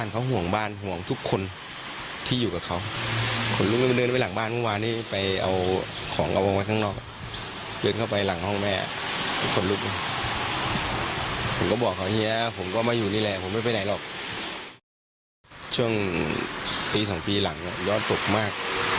ช่วงตี๒ปีหลังยอดตกมาก